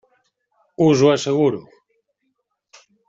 Us ho asseguro.